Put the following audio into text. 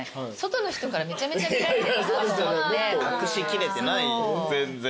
隠しきれてない全然。